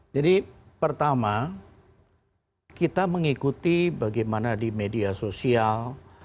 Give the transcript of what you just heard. jadi pertama kita mengikuti bagaimana di media sosial